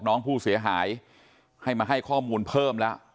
น้องผู้เสียหายให้มาให้ข้อมูลเพิ่มแล้ว